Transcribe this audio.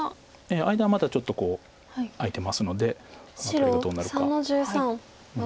間はまだちょっと空いてますのであの辺りがどうなるか。